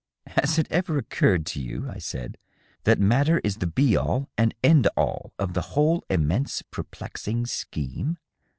" Has it ever occurred to you," I said, "that matter is the be all and end all of the whole immense, perplexing scheme?"